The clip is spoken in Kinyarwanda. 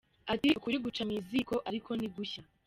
Ati “Ukuri guca mu ziko ariko ntigushya”.